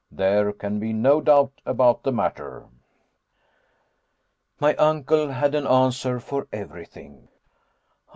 There can be no doubt about the matter." My uncle had an answer for everything.